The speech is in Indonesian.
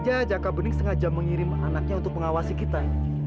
jika jaka bening sengaja mengirim anaknya untuk pengawasi kita